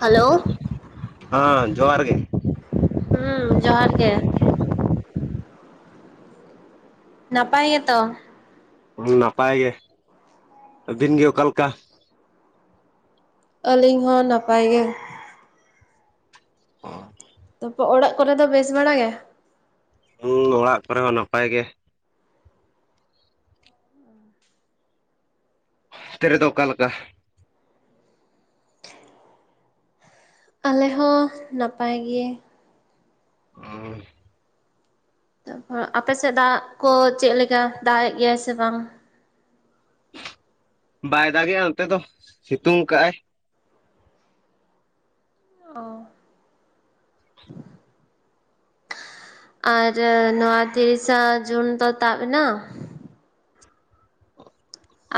Hello, ᱦᱟ ᱡᱚᱸᱦᱟᱨ ᱜᱮ, ᱦᱩᱸ ᱡᱚᱦᱟᱨ ᱜᱮ᱾ ᱱᱟᱯᱟᱭ ᱜᱮ ᱛᱚ, [unintelligible] ᱱᱟᱯᱟᱭ ᱜᱮ ᱟᱹᱵᱤᱱ ᱜᱮ ᱚᱠᱟ ᱞᱮᱠᱟ? ᱟᱹᱞᱤᱧ ᱦᱚᱸ ᱱᱟᱯᱟᱭ ᱜᱮ, [unintelligible] ᱛᱚᱵᱮ ᱚᱲᱟᱜ ᱠᱚᱨᱮ ᱫᱚ ᱵᱮᱥ ᱵᱟᱲᱟ ᱜᱮ? ᱦᱩᱸ ᱚᱲᱟᱜ ᱠᱚᱨᱮ ᱦᱚᱸ ᱱᱟᱯᱟᱭ ᱜᱮ᱾ ᱛᱮ ᱨᱮ ᱫᱚ ᱚᱠᱟ ᱞᱮᱠᱟ? ᱟᱞᱮ ᱦᱚᱸ ᱱᱟᱯᱟᱭ ᱜᱮ᱾ [unintelligible] ᱛᱟᱨᱯᱚᱨ ᱟᱯᱮ ᱥᱮᱫ ᱫᱟᱜ ᱠᱚ ᱪᱮᱫ ᱞᱮᱠᱟ ᱫᱟᱜ ᱮᱜ ᱜᱮᱭᱟᱭ ᱥᱮ ᱵᱟᱝ? ᱵᱟᱭ ᱫᱟᱜᱮᱜᱼᱟ ᱚᱱᱛᱮ ᱫᱚ ᱥᱤᱛᱩᱝ ᱠᱟᱜᱼᱟᱭ᱾ ᱚᱸ [inaudible] ᱟᱨ ᱱᱚᱣᱟ ᱛᱤᱨᱤᱥᱟ ᱡᱩᱱ ᱫᱚ ᱛᱟᱵ ᱮᱱᱟ?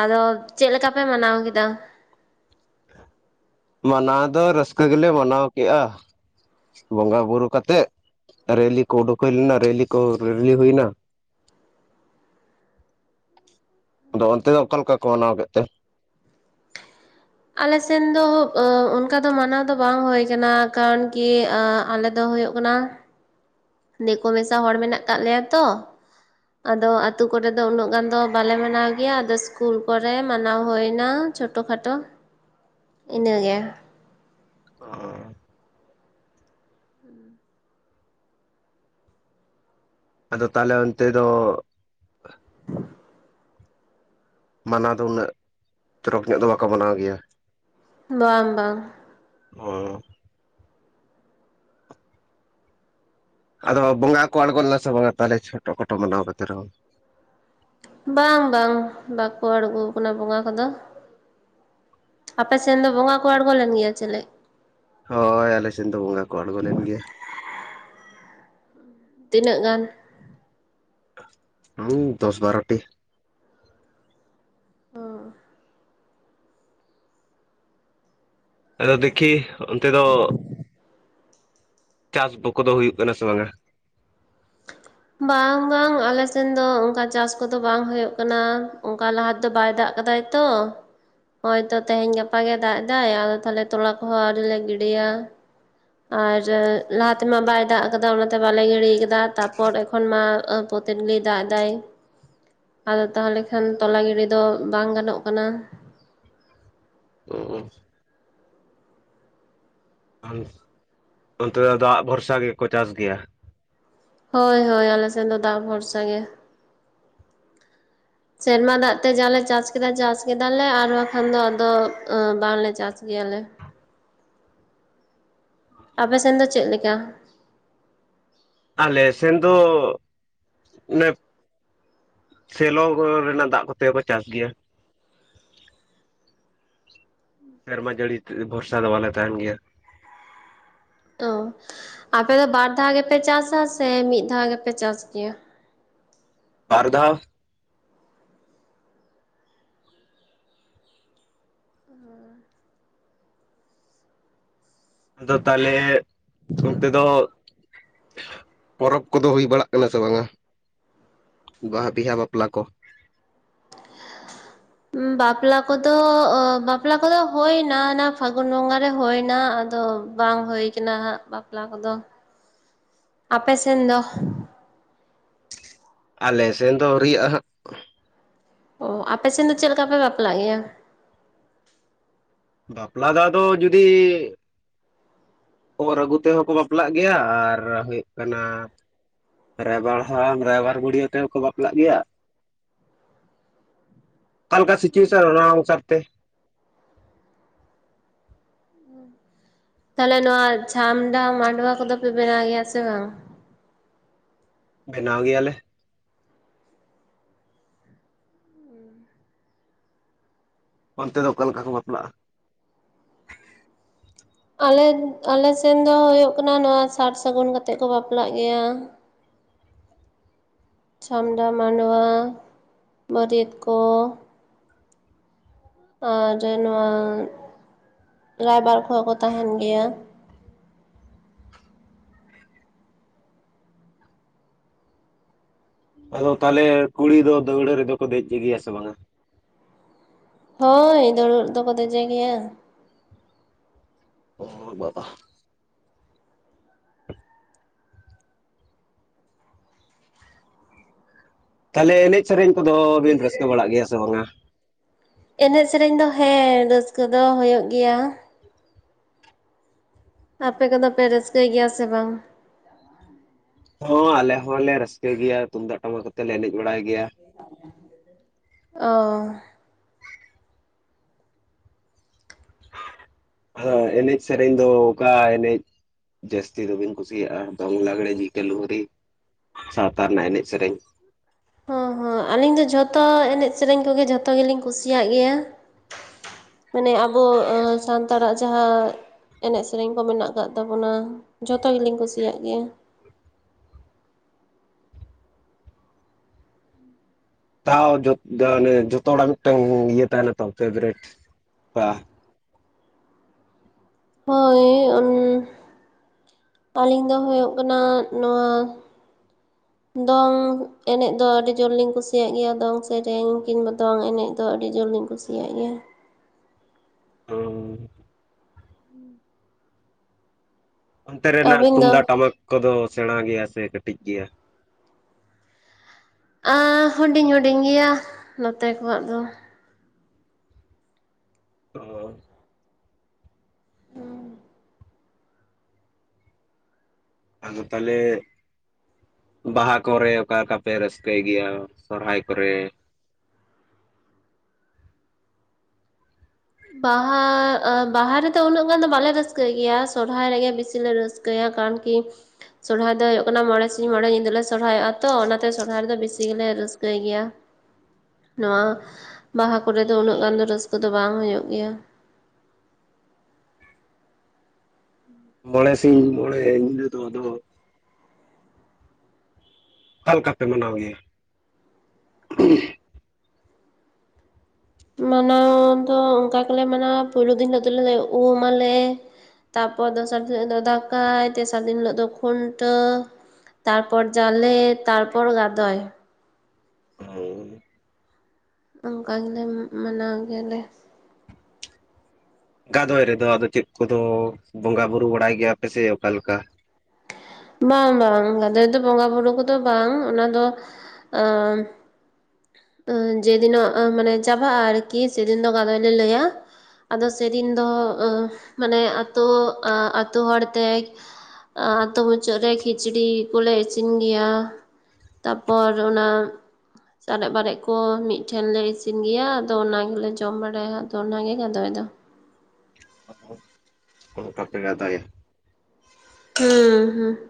ᱟᱫᱚ ᱪᱮᱫ ᱞᱮᱠᱟ ᱯᱮ ᱢᱟᱱᱟᱣ ᱠᱮᱫᱟ? ᱢᱟᱱᱟᱣ ᱫᱚ ᱨᱟᱹᱥᱠᱟᱹ ᱜᱮᱞᱮ ᱢᱟᱱᱟᱣ ᱠᱮᱜᱼᱟ, ᱵᱚᱸᱜᱟ ᱵᱩᱨᱩ ᱠᱟᱛᱮᱜ ᱨᱮᱞᱤ ᱠᱚ ᱩᱰᱩᱠ ᱦᱩᱭ ᱞᱮᱱᱟ ᱨᱮᱞᱤ ᱠᱚ ᱨᱮᱞᱤ ᱦᱩᱭ ᱱᱟ, ᱟᱫᱚ ᱚᱱᱛᱮ ᱫᱚ ᱚᱠᱟ ᱞᱮᱠᱟ ᱠᱚ ᱢᱟᱱᱟᱣ ᱠᱮᱫ ᱛᱮ? ᱟᱞᱮᱥᱮᱱ ᱫᱚ ᱚᱸ ᱚᱱᱠᱟ ᱫᱚ ᱢᱟᱱᱟᱣ ᱫᱚ ᱵᱟᱝ ᱦᱳᱭ ᱠᱟᱱᱟ ᱠᱟᱨᱚᱱ ᱠᱤ ᱟᱞᱮ ᱫᱚ ᱦᱳᱭᱳᱜ ᱠᱟᱱᱟ ᱫᱮᱠᱳ ᱢᱮᱥᱟ ᱦᱚᱲ ᱢᱮᱱᱟᱜ ᱠᱟᱜ ᱞᱮᱭᱟ ᱛᱚ, ᱟᱫᱚ ᱟᱛᱩ ᱠᱚᱨᱮᱫ ᱫᱚ ᱩᱱᱟᱹᱜ ᱜᱟᱱ ᱫᱚ ᱵᱟᱞᱮ ᱢᱟᱱᱟᱣ ᱜᱮᱭᱟ ᱟᱫᱚ ᱤᱥᱠᱩᱞ ᱠᱚᱨᱮ ᱢᱟᱱᱟᱣ ᱦᱩᱭ ᱱᱟ, ᱪᱷᱳᱴᱚ ᱠᱷᱟᱴᱳ ᱤᱱᱟᱹ ᱜᱮ, ᱟᱫᱚ ᱛᱟᱦᱚᱞᱮ ᱚᱱᱛᱮ ᱫᱚ ᱢᱟᱱᱟᱣ ᱫᱚ ᱩᱱᱟᱹᱜ ᱛᱚᱨᱚᱠ ᱧᱚᱜ ᱫᱚ ᱵᱟᱠᱚ ᱢᱟᱱᱟᱣ ᱜᱮᱭᱟ᱾ ᱵᱟᱝ ᱵᱟᱝ, ᱦᱚᱸ ᱟᱫᱚ ᱵᱚᱸᱜᱟ ᱠᱚ ᱟᱬᱜᱳ ᱞᱮᱱᱟ ᱥᱮ ᱵᱟᱝᱟ ᱛᱟᱦᱚᱞᱮ ᱪᱷᱚᱴᱚ ᱠᱷᱟᱴᱳ ᱢᱟᱱᱟᱣ ᱠᱟᱛᱮ ᱨᱮᱦᱚ? ᱵᱟᱝ ᱵᱟᱝ ᱵᱟᱠᱚ ᱟᱬᱜᱳ ᱠᱟᱱᱟ ᱵᱚᱸᱜᱟ ᱠᱚᱫᱚ, ᱟᱯᱮ ᱥᱮᱱ ᱫᱚ ᱵᱚᱸᱜᱟ ᱠᱚ ᱟᱬᱜᱚ ᱞᱮᱱ ᱜᱮᱭᱟ ᱪᱮᱞᱮ ᱦᱳᱭ ᱟᱞᱮ ᱥᱮᱱ ᱫᱚ ᱵᱚᱸᱜᱟ ᱠᱚ ᱟᱬᱜᱳ ᱞᱮᱱ ᱜᱮᱭᱟ, ᱛᱤᱱᱟᱹᱜ ᱜᱟᱱ ᱦᱩᱸ ᱫᱚᱥ ᱵᱟᱨᱚᱴᱤ, ᱳᱻ ᱟᱫᱚ ᱫᱮᱠᱷᱤ ᱚᱱᱛᱮ ᱫᱚ ᱪᱟᱥ ᱵᱚᱠᱚᱫᱚ ᱦᱩᱭᱩᱜ ᱠᱟᱱᱟ ᱥᱮ ᱵᱟᱝᱟ? ᱵᱟᱝ ᱵᱟᱝ ᱟᱞᱮᱥᱮᱱ ᱫᱚ ᱚᱱᱠᱟ ᱪᱟᱥ ᱠᱚᱫᱚ ᱵᱟᱝ ᱦᱩᱭᱩᱜ ᱠᱟᱱᱟ ᱚᱱᱠᱟ ᱞᱟᱦᱟ ᱛᱮᱫᱚ ᱵᱟᱭ ᱫᱟᱜ ᱠᱟᱫᱟᱭ, ᱛᱚ ᱦᱚᱭ ᱛᱚ ᱛᱮᱦᱮᱧ ᱜᱟᱯᱟ ᱜᱮ ᱫᱟᱜ ᱮᱫᱟᱭ ᱟᱫᱚ ᱛᱟᱦᱚᱞᱮ ᱛᱚᱞᱟ ᱠᱚᱦᱚᱸ ᱟᱹᱣᱨᱤ ᱞᱮ ᱜᱤᱰᱤᱭᱟ ᱾ ᱟᱨ ᱞᱟᱦᱟᱛᱮᱢᱟ ᱵᱟᱭ ᱫᱟᱜ ᱟᱠᱟᱫᱟ ᱚᱱᱟᱛᱮ ᱵᱟᱞᱮ ᱜᱤᱲᱤᱭᱟ ᱟᱠᱟᱫᱟ ᱛᱟᱯᱚᱨ ᱮᱠᱷᱚᱱ ᱢᱟ ᱛᱮᱫᱱᱤᱭ ᱫᱟᱜ ᱮᱫᱟᱭ ᱟᱫᱚ ᱛᱟᱦᱚᱞᱮ ᱠᱷᱟᱱ ᱛᱚᱞᱟ ᱜᱤᱰᱤ ᱫᱚ ᱵᱟᱝ ᱜᱟᱱᱚᱜ ᱠᱟᱱᱟ᱾ [unintelligible] ᱚᱱᱛᱮ ᱫᱚ ᱫᱟᱜᱽ ᱵᱷᱚᱨᱥᱟ ᱜᱮᱠᱚ ᱪᱟᱥ ᱜᱮᱭᱟ᱾ ᱦᱳᱭ ᱦᱳᱭ ᱟᱞᱮ ᱥᱮᱱ ᱫᱚ ᱫᱟᱜᱽ ᱵᱷᱚᱨᱥᱟ ᱜᱮ ᱥᱮᱨᱢᱟ ᱫᱟᱜ ᱛᱮ ᱡᱟᱞᱮ ᱪᱟᱥ ᱠᱮᱫᱟ ᱪᱟᱥ ᱠᱮᱫᱟᱞᱮ ᱟᱨ ᱵᱟᱠᱷᱟᱱ ᱫᱚ ᱟᱫᱚ ᱵᱟᱝᱞᱮ ᱪᱟᱥ ᱜᱮᱭᱟᱞᱮ ᱾ ᱟᱯᱮ ᱥᱮᱱ ᱫᱚ ᱪᱮᱫ ᱞᱮᱠᱟ? ᱟᱞᱮ ᱥᱮᱱ ᱫᱚ [unintelligible] ᱥᱮᱞᱚ ᱨᱮᱱᱟᱜ ᱫᱟᱜᱽ ᱠᱚᱛᱮᱨᱠᱚ ᱪᱟᱥ ᱜᱮᱭᱟ ᱥᱮᱨᱢᱟ ᱡᱟᱹᱲᱤ ᱵᱷᱚᱨᱥᱟ ᱫᱚ ᱵᱟᱞᱮ ᱛᱟᱦᱮᱱ ᱜᱮᱭᱟ᱾ ᱩᱸ ᱟᱯᱮ ᱫᱚ ᱵᱟᱨ ᱫᱷᱟᱣ ᱜᱮᱯᱮ ᱪᱟᱥᱟ ᱥᱮ ᱢᱤᱫ ᱫᱷᱟᱣ ᱜᱮᱯᱮ ᱪᱟᱥ ᱜᱮᱭᱟ? ᱵᱟᱨ ᱫᱟᱣ ᱟᱫᱚ ᱛᱟᱦᱚᱞᱮ ᱚᱱᱛᱮ ᱫᱚ ᱯᱚᱨᱚᱵᱽ ᱠᱚᱫᱚ ᱦᱩᱭ ᱵᱟᱲᱟᱜ ᱠᱟᱱᱟ ᱥᱮ ᱵᱟᱝᱼᱟ? ᱵᱟᱦᱟ ᱵᱤᱦᱟ ᱵᱟᱯᱞᱟ ᱠᱚ ᱵᱟᱯᱞᱟ ᱠᱚᱫᱚ ᱵᱟᱯᱞᱟ ᱠᱚᱫᱚ ᱦᱳᱭ ᱮᱱᱟ ᱚᱱᱟ ᱯᱷᱟᱹᱜᱩᱱ ᱵᱚᱸᱜᱟ ᱨᱮ ᱦᱳ ᱮᱱᱟ ᱟᱫᱚ ᱵᱟᱝ ᱦᱩᱭ ᱠᱟᱱᱟ ᱦᱟᱸᱜ ᱵᱟᱯᱞᱟ ᱠᱚᱫᱚ ᱟᱯᱮ ᱥᱮᱱ ᱫᱚ ᱟᱞᱮ ᱥᱮᱱ ᱫᱚ ᱟᱣᱨᱤᱭᱟᱜᱼᱟ ᱦᱟᱜ ᱚ ᱟᱯᱮ ᱥᱮᱱ ᱫᱚ ᱪᱮᱫ ᱞᱮᱠᱟ ᱯᱮ ᱵᱟᱯᱞᱟᱜ ᱜᱮᱭᱟ ᱵᱟᱯᱞᱟ ᱫᱚ ᱟᱫᱚ ᱡᱩᱫᱤ ᱚᱨ ᱟᱹᱜᱩ ᱛᱮᱦᱚᱸ ᱠᱚ ᱵᱟᱯᱞᱟᱜ ᱜᱮᱭᱟ ᱟᱨ ᱦᱩᱭᱩᱜ ᱠᱟᱱᱟ ᱨᱟᱭᱵᱟᱨ ᱦᱟᱲᱟᱢ ᱨᱟᱭᱵᱟᱨ ᱵᱩᱲᱦᱟᱹ ᱟᱛᱮ ᱦᱚᱸᱠᱚ ᱵᱟᱯᱞᱟᱜ ᱜᱮᱭᱟ ᱚᱱᱠᱟ ᱥᱤᱪᱩᱭᱮᱥᱮᱱ ᱚᱱᱮ ᱚᱱᱠᱟ ᱛᱟᱦᱞᱮ ᱱᱚᱣᱟ ᱪᱷᱟᱢᱰᱟ ᱢᱟᱰᱣᱟ ᱠᱚᱫᱚ ᱯᱮ ᱵᱮᱱᱟᱣ ᱜᱮᱭᱟ ᱥᱮ ᱵᱟᱝ? ᱵᱮᱱᱟᱣ ᱜᱮᱭᱟ ᱞᱮ ᱚᱱᱛᱮ ᱫᱚ ᱚᱠᱟ ᱞᱮᱠᱟ ᱠᱚ ᱵᱟᱯᱞᱟᱜᱼᱟ? ᱟᱞᱮ ᱟᱞᱮ ᱥᱮᱱ ᱫᱚ ᱦᱩᱭᱩᱜᱳᱜ ᱠᱟᱱᱟ ᱱᱚᱣᱟ ᱥᱟᱨ ᱥᱟᱹᱜᱩᱱ ᱠᱟᱛᱮᱜ ᱠᱚ ᱵᱟᱯᱞᱟᱜ ᱜᱮᱭᱟ᱾ [inaudible] ᱪᱷᱟᱢᱰᱟ ᱢᱟᱰᱣᱟ ᱵᱟᱹᱨᱭᱟᱹᱛ ᱠᱚ ᱟᱨ ᱱᱚᱣᱟ ᱨᱟᱭᱵᱟᱨ ᱠᱚᱦᱚᱸ ᱠᱚ ᱛᱟᱦᱮᱱ ᱜᱮᱭᱟ᱾ ᱟᱫᱚ ᱛᱟᱦᱚᱞᱮ ᱠᱩᱲᱤ ᱫᱚ ᱫᱟᱹᱣᱲᱟᱹ ᱨᱮᱫᱚ ᱠᱚ ᱫᱮᱡᱽ ᱜᱮᱭᱟ ᱥᱮ ᱵᱟᱝᱼᱟ᱾ ᱦᱳᱭ ᱫᱩᱲᱣᱟ. ᱨᱮᱫᱚ ᱠᱚ ᱫᱮᱡᱮ ᱜᱮᱭᱟ᱾ ᱳ ᱵᱟᱵᱟ ᱛᱟᱦᱚᱞᱮ ᱮᱱᱮᱡ ᱥᱮᱨᱮᱧ ᱠᱚᱫᱚ ᱵᱤᱱ ᱨᱟᱹᱥᱠᱟᱹ ᱵᱟᱲᱟᱜ ᱜᱮᱭᱟ ᱥᱮ ᱵᱟᱝᱼᱟ ᱮᱱᱮᱡᱽ ᱥᱮᱨᱮᱧ ᱫᱚ ᱦᱮᱸ ᱨᱟᱹᱥᱠᱟᱹ ᱫᱚ ᱦᱩᱭᱩᱜ ᱜᱮᱭᱟ᱾ ᱟᱯᱮ ᱠᱚᱫᱚ ᱯᱮ ᱨᱟᱹᱥᱠᱟᱹᱭ ᱜᱮᱭᱟ ᱥᱮ ᱵᱟᱝ? ᱦᱚᱸ ᱟᱞᱮ ᱦᱚᱸᱞᱮ ᱨᱟᱹᱥᱠᱟᱹ ᱜᱮᱭᱟ ᱛᱩᱢᱫᱟᱜ ᱴᱟᱢᱟᱠ ᱠᱚᱛᱮ ᱞᱮ ᱮᱱᱮᱡᱽ ᱵᱟᱲᱟᱭ ᱜᱮᱭᱟ᱾ ᱚ ᱟᱫᱚ ᱮᱱᱮᱡᱽ ᱥᱮᱨᱮᱧ ᱫᱚ ᱚᱠᱟ ᱮᱱᱮᱡᱽ ᱡᱟᱹᱥᱛᱤ ᱫᱚᱵᱤᱱ ᱠᱩᱥᱤᱭᱟᱜᱼᱟ ᱫᱚᱝ ᱞᱟᱜᱽᱲᱮ ᱡᱤᱠᱟᱹ ᱞᱩᱦᱨᱤ ᱥᱟᱶᱛᱟ ᱨᱮᱱᱟᱜ ᱮᱱᱮᱡᱽ ᱥᱮᱨᱮᱧ ᱦᱚᱸ ᱦᱚᱸ ᱟᱹᱞᱤᱧ ᱫᱚ ᱡᱷᱚᱛᱚ ᱮᱱᱮᱡᱽ ᱥᱮᱨᱮᱧ ᱠᱚᱜᱮ ᱡᱷᱚᱛᱚ ᱜᱮᱞᱤᱧ ᱠᱩᱥᱤᱭᱟᱜ ᱜᱮᱭᱟ᱾ ᱢᱟᱱᱮ ᱟᱵᱚ ᱥᱟᱱᱛᱟᱲᱟᱜ ᱡᱟᱦᱟᱸ ᱮᱱᱮᱡ ᱥᱮᱨᱮᱧ ᱠᱚ ᱢᱮᱱᱟᱜ ᱟᱠᱟᱫ ᱛᱟᱵᱚᱱᱟ ᱡᱷᱚᱛᱚ ᱜᱮᱞᱤᱧ ᱠᱩᱥᱤᱭᱟᱜ ᱜᱮᱭᱟ ᱛᱟᱣ ᱢᱟᱱᱮ ᱡᱚᱛᱚ ᱦᱚᱲᱟᱜ ᱢᱤᱫᱴᱮᱱ ᱤᱭᱟᱹ ᱛᱟᱦᱮᱱᱟ ᱛᱚ ᱯᱷᱮᱵᱨᱮᱴ ᱵᱟ ᱦᱳᱭ ᱚᱱ ᱟᱞᱤᱧ ᱫᱚ ᱦᱩᱭᱩᱜ ᱠᱟᱱᱟ ᱱᱚᱣᱟ ᱫᱚᱝ ᱮᱱᱮᱡ ᱫᱚ ᱟᱹᱰᱤ ᱡᱳᱨᱞᱤᱧ ᱠᱩᱥᱤᱭᱟᱜ ᱜᱮᱭᱟ, ᱫᱚᱝ ᱥᱮᱨᱮᱧ ᱠᱤᱝᱵᱟ ᱫᱚᱝ ᱮᱱᱮᱡ ᱫᱚ ᱟᱹᱰᱤ ᱡᱳᱨ ᱞᱤᱧ ᱠᱩᱥᱤ ᱠᱩᱥᱤᱭᱟᱹ ᱜᱮᱭᱟ ᱾ ᱚᱸᱝ ᱚᱱᱛᱮ ᱨᱮᱱᱟᱜ ᱟᱹᱵᱤᱱ ᱛᱩᱢᱫᱟᱜ ᱫᱚ ᱴᱟᱢᱟᱠ ᱠᱚᱫᱚ ᱥᱮᱬᱟ ᱜᱮᱭᱟ ᱥᱮ ᱠᱟᱹᱴᱤᱡ ᱜᱮᱭᱟ? ᱟᱸ ᱦᱩᱰᱤᱧ ᱦᱩᱰᱤᱧ ᱜᱮᱭᱟ ᱱᱚᱛᱮ ᱠᱚᱣᱟᱜ ᱫᱚ ᱾ ᱚ ᱾ ᱟᱫᱚ ᱛᱟᱦᱚᱞᱮ ᱵᱟᱦᱟ ᱠᱚᱨᱮ ᱚᱠᱟ ᱚᱠᱟ ᱯᱮ ᱨᱟᱹᱥᱠᱟᱹᱭ ᱜᱮᱭᱟ, ᱥᱚᱨᱦᱟᱭ ᱠᱚᱨᱮ? ᱵᱟᱦᱟ, ᱵᱟᱦᱟ ᱨᱮᱫᱚ ᱩᱱᱟᱹᱜ ᱜᱟᱱ ᱫᱚ ᱵᱟᱞᱮ ᱨᱟᱹᱥᱠᱟᱹᱭ ᱜᱮᱭᱟ, ᱥᱚᱨᱦᱟᱭ ᱨᱮᱜᱮ ᱵᱤᱥᱤ ᱞᱮ ᱨᱟᱹᱥᱠᱟᱹ ᱠᱟ. ᱭᱟ ᱠᱟᱱ ᱠᱤᱧ ᱥᱚᱨᱦᱟᱭ ᱫᱚ ᱦᱩᱭᱩᱜ ᱠᱟᱱᱟ ᱢᱚᱬᱮ ᱥᱤᱧ ᱢᱚᱬᱮᱸ ᱧᱤᱫᱟᱹ ᱞᱮ ᱥᱚᱨᱦᱟᱭᱚᱜᱼᱟ ᱛᱚ, ᱚᱱᱟᱛᱮ ᱥᱚᱨᱦᱟᱭ ᱨᱮᱫᱚ ᱵᱮᱥᱤ ᱜᱮᱞᱮ ᱨᱟᱹᱥᱠᱟᱹᱭ ᱜᱮᱭᱟ ᱾ ᱱᱚᱣᱟ ᱵᱟᱦᱟ ᱠᱚᱨᱮ ᱫᱚ ᱩᱱᱟᱹᱜ ᱜᱟᱱ ᱫᱚ ᱨᱟᱹᱥᱠᱟᱹ ᱫᱚ ᱵᱟᱝ ᱦᱳᱭᱳᱜ ᱜᱮᱭᱟ ᱾ ᱢᱚᱬᱮᱸ ᱥᱤᱧ ᱢᱚᱬᱮᱸ ᱧᱤᱞᱟᱹ ᱫᱚ ᱟᱫᱚ ᱚᱠᱟ ᱞᱮᱠᱟ ᱯᱮ ᱢᱟᱱᱟᱣ ᱜᱮᱭᱟ? [unintelligible] ᱢᱟᱱᱟᱣ ᱫᱚ ᱚᱱᱠᱟ ᱜᱮᱞᱮ ᱢᱟᱱᱟᱣᱟ, ᱯᱳᱭᱞᱩ ᱫᱤᱱ ᱦᱤᱞᱳ ᱫᱚᱞᱮ ᱩᱢ ᱟᱞᱮ ᱾ ᱛᱟᱨᱯᱚᱨ ᱫᱚᱥᱟᱨ ᱫᱤᱱ ᱦᱤᱞᱳᱜ ᱫᱚ ᱫᱟᱠᱟᱭ, ᱛᱮᱥᱟᱨ ᱫᱤᱱ ᱦᱤᱞᱳᱜ ᱫᱚ ᱠᱷᱩᱱᱴᱟᱹᱣ ᱾ ᱛᱟᱨᱯᱚᱨ ᱡᱟᱞᱮ, ᱛᱟᱨᱯᱚᱨ ᱜᱚᱫᱟᱭ ᱾ ᱦᱩᱸ᱾ ᱚᱱᱠᱟ ᱜᱮᱞᱮ ᱢᱟᱱᱟᱣ ᱜᱮᱭᱟᱞᱮ ᱾ ᱜᱟᱫᱚᱭ ᱨᱮᱫᱚ ᱟᱫᱚ ᱪᱮᱫ ᱠᱚᱫᱚ ᱵᱚᱸᱜᱟ ᱵᱩᱨᱩ ᱵᱟᱲᱟᱭ ᱜᱮᱭᱟᱯᱮ ᱥᱮ ᱚᱠᱟ ᱞᱮᱠᱟ? ᱵᱟᱝ ᱵᱟᱝ, ᱜᱟᱫᱚᱭ ᱫᱚ ᱵᱚᱸᱜᱟ ᱵᱩᱨᱩ ᱠᱚᱫᱚ ᱵᱟᱝ ᱚᱱᱟ ᱫᱚ ᱾ ᱩᱸ, ᱡᱮᱫᱤᱱᱚᱜ ᱢᱟᱱᱮ ᱪᱟᱵᱟᱜᱼᱟ ᱟᱨᱠᱤ ᱥᱮᱫᱤᱱ ᱫᱚ ᱜᱟᱫᱚᱭ ᱞᱮ ᱞᱟᱹᱭᱟ ᱾ ᱟᱫᱚ ᱥᱮᱫᱤᱱ ᱫᱚ ᱢᱟᱱᱮ ᱟᱛᱳ ᱟᱛᱳ ᱦᱚᱲᱛᱮ ᱟᱛᱳ ᱢᱩᱪᱟᱹᱫ ᱨᱮ ᱠᱷᱤᱪᱲᱤ ᱠᱚᱞᱮ ᱤᱥᱤᱱ ᱜᱮᱭᱟ ᱾ ᱛᱟᱯᱚᱨ ᱚᱱᱟ ᱥᱟᱨᱮᱡ ᱵᱟᱨᱮᱡ ᱠᱚ ᱢᱤᱫᱴᱷᱮᱱ ᱞᱮ ᱤᱥᱤᱱ ᱜᱮᱭᱟ, ᱟᱫᱚ ᱚᱱᱟ ᱜᱮᱞᱮ ᱡᱚᱢ ᱵᱟᱲᱟᱭᱟ ᱟᱫᱚ ᱚᱱᱟ ᱜᱮ ᱜᱟᱫᱚᱭ ᱫᱚ ᱾ ᱵᱟ ᱯᱮ ᱜᱟᱫᱚᱭᱟ? ᱦᱩᱸ ᱦᱩᱸ ᱾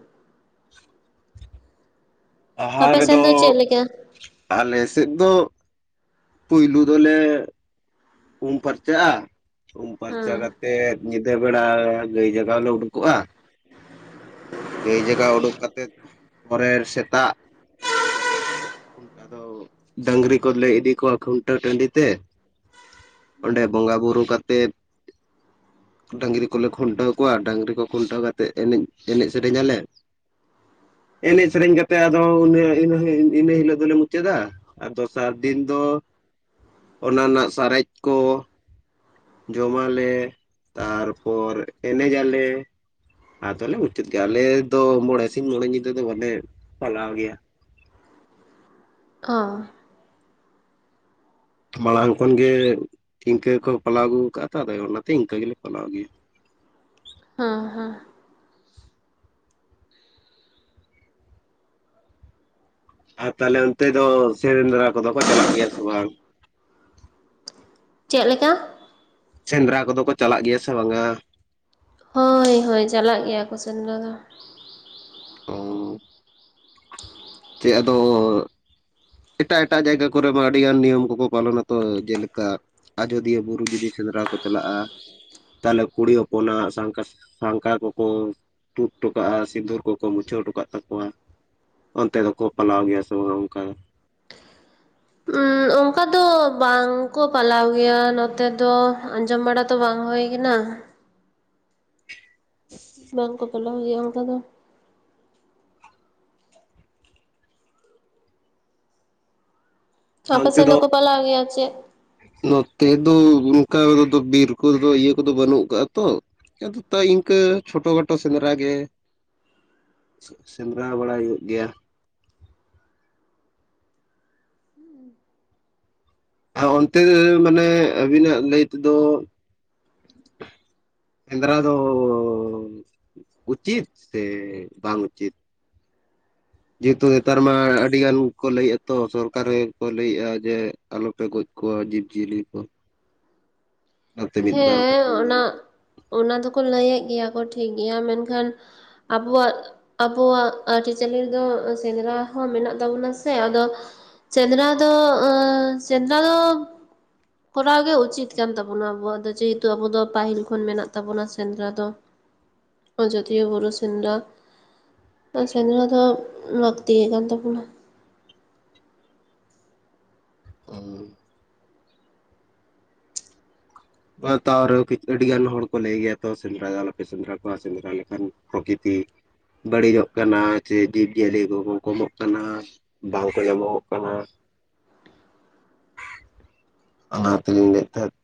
ᱵᱟᱦᱟ ᱟᱯᱮ ᱥᱮᱱ ᱨᱮᱫᱚ ᱫᱚ ᱪᱮᱫ ᱞᱮᱠᱟ ᱟᱞᱮ ᱥᱮᱫ ᱫᱚ ᱯᱩᱭᱞᱩ ᱫᱚᱞᱮ ᱩᱢ ᱯᱷᱟᱨᱪᱟᱜᱼᱟ, ᱩᱢ ᱦᱩᱸ ᱯᱷᱟᱨᱪᱟ ᱠᱟᱛᱮ, ᱛᱮᱫ ᱧᱤᱫᱟᱹ ᱵᱮᱲᱟ ᱜᱟᱹᱭ ᱡᱟᱜᱟᱣ ᱞᱮ ᱩᱰᱩᱠᱚᱜᱼᱟ ᱾ ᱜᱟᱹᱭ ᱡᱟᱭᱜᱟ ᱳᱰᱳᱠ ᱠᱟᱛᱮᱫ ᱯᱚᱨᱮᱨ ᱥᱮᱛᱟᱜ, ᱠᱷᱩᱱᱴᱟ ᱟᱫᱚ ᱰᱟᱹᱝᱨᱤ ᱠᱚᱞᱮ ᱤᱫᱤ ᱠᱚᱣᱟ ᱠᱷᱩᱱᱴᱟᱹᱣ ᱴᱟᱺᱰᱤ ᱛᱮ ᱾ ᱚᱸᱰᱮ ᱦᱩᱸ ᱵᱚᱸᱜᱟᱼᱵᱩᱨᱩ ᱠᱟᱛᱮᱫ, ᱰᱟᱹᱝᱨᱤ ᱠᱚᱞᱮ ᱠᱷᱩᱱᱴᱟᱹᱣ ᱠᱚᱣᱟ, ᱰᱟᱝᱝᱨᱤ ᱠᱚ ᱠᱷᱩᱱᱴᱟᱹᱣ ᱠᱟᱛᱮᱜ ᱮᱱᱮᱡ ᱮᱱᱮᱡ ᱥᱮᱨᱮᱧ ᱟᱞᱮ ᱾ [inaudible] ᱮᱱᱮᱡ ᱥᱮᱨᱮᱧ ᱠᱟᱛᱮ, ᱟᱫᱚ ᱚᱱᱮ ᱤᱱᱟᱹ ᱦᱤᱞᱳᱜ ᱫᱚᱞᱮ ᱢᱩᱪᱟᱹᱫᱟ ᱾ ᱟᱨ ᱫᱚᱥᱟᱨ ᱫᱤᱱ ᱫᱚ ᱚᱱᱟ ᱨᱮᱱᱟᱜ ᱥᱟᱨᱮᱡ, ᱠᱚ ᱡᱚᱢᱟᱞᱮ ᱛᱟᱨᱯᱚᱨ ᱮᱱᱮᱡᱟᱞᱮ ᱾ ᱟᱫᱚᱞᱮ ᱢᱩᱪᱟᱹᱛ ᱠᱮᱜ-ᱟ ᱾ ᱟᱞᱮ ᱫᱚ ᱢᱚᱬᱮᱸ ᱥᱤᱧ ᱢᱚᱬᱮᱸ ᱧᱤᱫᱟᱹ ᱫᱚ ᱵᱟᱞᱮ ᱯᱟᱞᱟᱣ ᱜᱮᱭᱟ ᱾ ᱚ ᱾ ᱢᱟᱲᱟᱝ ᱠᱷᱚᱱᱜᱮ ᱤᱱᱠᱟᱹ ᱠᱚ ᱯᱟᱞᱟᱣ ᱟᱹᱜᱩ ᱠᱟᱜ-ᱟ ᱛᱚ, ᱟᱫᱚ ᱚᱱᱟᱛᱮ ᱤᱱᱠᱟᱹ ᱜᱮᱞᱮ ᱯᱟᱞᱟᱣ ᱜᱮᱭᱟ ᱾ ᱦᱚᱸ ᱦᱚᱸ ᱾ ᱟᱨ ᱛᱟᱞᱦᱮ ᱚᱱᱛᱮ ᱫᱚ ᱥᱮᱸᱫᱽᱨᱟ ᱠᱚᱫᱚ ᱠᱚ ᱪᱟᱞᱟᱜ ᱜᱮᱭᱟ ᱥᱮ ᱵᱟᱝ? ᱪᱮᱫ ᱞᱮᱠᱟ? ᱥᱮᱸᱫᱽᱨᱟ ᱠᱚᱫᱚ ᱠᱚ ᱪᱟᱞᱟᱜ ᱜᱮᱭᱟ ᱥᱮ ᱵᱟᱝᱼᱟ? ᱦᱳᱭ ᱦᱳᱭ, ᱪᱟᱞᱟᱜ ᱜᱮᱭᱟ ᱠᱚ ᱥᱮᱸᱫᱽᱨᱟ ᱫᱚ ᱾ ᱚ ᱪᱮᱫ ᱟᱫᱚ ᱮᱴᱟᱜ ᱮᱴᱟᱜ ᱡᱟᱭᱜᱟ ᱠᱚᱨᱮᱢᱟ ᱟᱹᱰᱤ ᱜᱟᱱ ᱱᱤᱭᱚᱢ ᱠᱚᱠᱚ ᱯᱟᱞᱚᱱᱟᱛᱚ ᱡᱮᱞᱮᱠᱟ ᱟᱡᱚᱫᱤᱭᱟᱹ ᱵᱩᱨᱩ ᱡᱩᱫᱤ ᱥᱮᱸᱫᱽᱨᱟ ᱠᱚ ᱪᱟᱞᱟᱜᱼᱟ ᱛᱟᱦᱚᱞᱮ ᱠᱩᱲᱤ ᱦᱚᱯᱚᱱᱟᱜ ᱥᱟᱝᱠᱟ ᱥᱟᱝᱠᱟ ᱠᱚᱠᱚ ᱛᱩᱫ ᱴᱚᱠᱟᱜᱼᱟ ᱥᱤᱸᱫᱩᱨ ᱠᱚᱠᱚ ᱢᱩᱪᱷᱟᱹᱣ ᱦᱚᱴᱚᱠᱟᱜ ᱛᱟᱠᱚᱣᱟ ᱚᱱᱛᱮ ᱫᱚ ᱠᱚ ᱯᱟᱞᱟᱣ ᱜᱮᱭᱟ ᱥᱮᱵᱟᱝ ᱚᱱᱠᱟ? ᱩᱸ ᱚᱱᱠᱟ ᱫᱚ ᱵᱟᱝ ᱠᱚ ᱯᱟᱞᱟᱣ ᱜᱮᱭᱟ ᱱᱚᱛᱮ ᱫᱚ ᱟᱸᱡᱚᱢ ᱵᱟᱲᱟ ᱛᱚ ᱵᱟᱝ ᱦᱩᱭ ᱠᱟᱱᱟ ᱵᱟᱝ ᱠᱚ ᱯᱟᱞᱟᱣ ᱜᱮᱭᱟ ᱚᱝᱠᱟᱫᱚ ᱟᱨ ᱟᱯᱮ ᱚᱱᱛᱮ ᱥᱮᱱ ᱫᱚ ᱢᱟᱠᱚ ᱯᱟᱞᱟᱜ ᱜᱮᱭᱟ ᱪᱮ ᱱᱚᱛᱮ ᱫᱚ ᱚᱱᱠᱟ ᱫᱚ ᱵᱤᱨ ᱠᱚᱫᱚ ᱤᱭᱟᱹ ᱠᱚᱫᱚ ᱵᱟᱹᱱᱩᱜ ᱟᱠᱟᱜ-ᱟ ᱛᱚ ᱟᱫᱚ ᱛᱟᱭ ᱤᱱᱠᱟᱹ ᱪᱷᱳᱴᱳ ᱠᱷᱟᱴᱚ ᱥᱮᱸᱫᱽᱨᱟ ᱜᱮ ᱥᱮᱸᱫᱽᱨᱟ ᱵᱟᱲᱟᱭ ᱦᱩᱭᱩᱜ ᱜᱮᱭᱟ ᱾ ᱟᱨ ᱚᱱᱛᱮ ᱢᱟᱱᱮ ᱟᱵᱤᱱᱟᱜ ᱞᱟᱹᱭ ᱛᱮᱫᱚ ᱥᱮᱸᱫᱽᱨᱟ ᱫᱚ ᱩᱪᱤᱛ ᱥᱮ ᱵᱟᱝ ᱩᱪᱤᱛ? ᱡᱮᱦᱮᱛᱩ ᱱᱮᱛᱟᱨ ᱢᱟ ᱟᱹᱰᱤ ᱜᱟᱱ ᱠᱚ ᱞᱟᱹᱭᱮᱫᱼᱟ ᱛᱚ ᱥᱚᱨᱠᱟᱨᱮ ᱜᱮᱠᱚ ᱞᱟᱹᱭᱮᱫᱼᱟ ᱡᱮ ᱟᱞᱚᱯᱮ ᱜᱚᱡ ᱠᱚᱣᱟ ᱡᱤᱵᱽ ᱡᱤᱭᱟᱹᱞᱤ ᱠᱚ ᱚᱱᱟᱛᱮ ᱢᱤᱫ ᱵᱟᱨ ᱦᱮᱸ ᱠᱟᱛᱷᱟᱧ ᱞᱟᱹᱭ ᱚᱱᱟ ᱞᱮᱜᱮ ᱚᱱᱟ ᱫᱚᱠᱚ ᱞᱟᱹᱭᱮᱜ ᱜᱮᱭᱟ ᱠᱚ ᱴᱷᱤᱠ ᱜᱮᱭᱟ ᱢᱮᱱᱠᱷᱟᱱ ᱟᱵᱚᱣᱟᱜ ᱟᱵᱚᱣᱟᱜ ᱟᱹᱨᱤᱪᱟᱹᱞᱤ ᱨᱮᱫᱚ ᱥᱮᱸᱫᱽᱨᱟ ᱦᱚᱸ ᱢᱮᱱᱟᱜ ᱛᱟᱵᱚᱱᱟ ᱥᱮ ᱟᱫᱚ ᱥᱮᱸᱫᱽᱨᱟ ᱫᱚ ᱥᱮᱸᱫᱽᱨᱟ ᱫᱚ ᱠᱚᱨᱟᱣ ᱜᱮ ᱩᱪᱤᱛ ᱠᱟᱱ ᱛᱟᱵᱚᱱᱟ ᱟᱵᱚᱣᱟᱜ ᱫᱚ ᱡᱮᱦᱮᱛᱩ ᱟᱵᱚ ᱫᱚ ᱯᱟᱹᱦᱤᱞ ᱠᱷᱚᱱ ᱢᱮᱱᱟᱜ ᱛᱟᱵᱚᱱᱟ ᱥᱮᱸᱫᱽᱨᱟ ᱫᱚ ᱟᱡᱚᱫᱤᱭᱟᱹ ᱵᱩᱨᱩ ᱥᱮᱸᱫᱽᱨᱟ ᱥᱮᱸᱫᱽᱨᱟ ᱫᱚ ᱞᱟᱹᱠᱛᱤᱭᱟ ᱟᱠᱟᱱ ᱛᱟᱵᱚᱱᱟ [unintelligible] ᱛᱟᱨ ᱟᱹᱰᱤ ᱜᱟᱱ ᱦᱚᱲ ᱠᱚ ᱞᱟᱹᱭ ᱜᱮᱭᱟ ᱛᱚ ᱥᱮᱸᱫᱽᱨᱟ ᱟᱞᱚᱯᱮ ᱥᱮᱸᱫᱽᱨᱟ ᱠᱚᱣᱟ ᱥᱮᱸᱫᱽᱨᱟ ᱞᱮᱠᱷᱟᱱ ᱯᱨᱚᱠᱤᱛᱤ ᱵᱟᱹᱲᱤᱡᱚᱜ ᱠᱟᱱᱟ ᱥᱮ ᱡᱤᱵᱽ ᱡᱤᱭᱟᱹᱞᱤ ᱠᱚᱠᱚ ᱠᱚᱢᱚᱜ ᱠᱟᱱᱟ ᱵᱟᱝᱠᱚ ᱧᱟᱢᱚᱜᱚᱜ ᱠᱟᱱᱟ ᱚᱱᱟᱛᱮᱞᱤᱧ ᱞᱟᱹᱭᱮᱫ ᱛᱟᱦᱮᱸᱫ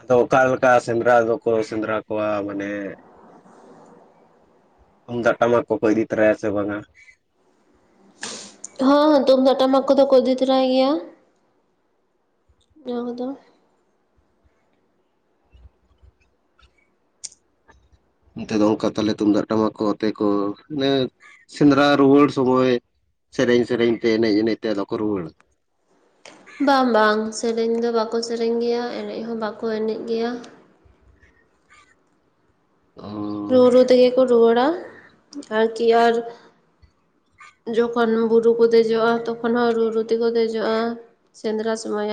ᱟᱫᱚ ᱚᱠᱟᱞᱮᱠᱟ ᱥᱮᱸᱫᱽᱨᱟ ᱫᱚᱠᱚ ᱥᱮᱸᱫᱽᱨᱟ ᱠᱚᱣᱟ ᱢᱟᱱᱮ ᱛᱩᱢᱫᱟᱜ ᱴᱟᱢᱟᱠ ᱠᱚᱠᱚ ᱤᱫᱤ ᱛᱚᱨᱟᱭᱟ ᱥᱮ ᱵᱟᱝᱟ ᱦᱳ ᱛᱩᱢᱫᱟᱜ ᱴᱟᱢᱟᱠ ᱠᱚ ᱫᱚᱠᱚ ᱤᱫᱤ ᱛᱚᱨᱟᱭ ᱜᱮᱭᱟ ᱚᱱᱟ ᱠᱚᱫᱚ ᱚᱱᱛᱮ ᱫᱚ ᱚᱱᱠᱟ ᱛᱟᱞᱮ ᱛᱩᱢᱫᱟᱜ ᱴᱟᱢᱟᱠ ᱠᱚ ᱛᱮ ᱠᱚ ᱮ ᱥᱮᱸᱫᱽᱨᱟ ᱨᱩᱣᱟᱹᱲ ᱥᱚᱢᱚᱭ ᱥᱮᱨᱮᱧ ᱥᱮᱨᱮᱧ ᱛᱮ ᱮᱱᱮᱡ ᱮᱱᱮᱡ ᱛᱮ ᱟᱫᱚ ᱠᱚ ᱨᱩᱣᱟᱹᱲᱟ ᱵᱟᱝ ᱵᱟᱝ ᱥᱮᱨᱮᱧ ᱫᱚ ᱵᱟᱠᱚ ᱥᱮᱨᱮᱧ ᱜᱮᱭᱟ ᱮᱱᱮᱡ ᱦᱚᱸ ᱵᱟᱠᱚ ᱮᱱᱮᱡ ᱜᱮᱭᱟ ᱨᱩ ᱚᱻ ᱨᱩ ᱛᱮᱜᱮ ᱠᱚ ᱨᱩᱣᱟᱹᱲᱟ ᱟᱨᱠᱤ ᱟᱨ ᱡᱚᱠᱷᱚᱱ ᱵᱩᱨᱩ ᱠᱚ ᱫᱮᱡᱚᱜ-ᱟ ᱛᱚᱠᱷᱚᱱ ᱦᱚᱸ ᱨᱩ ᱨᱩ ᱛᱮᱠᱚ ᱫᱮᱡᱚᱜ-ᱟ ᱥᱮᱸᱫᱽᱨᱟ ᱥᱚᱢᱚᱭ